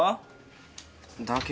だけど。